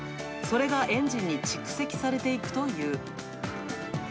それがエンジンに蓄積されていくという。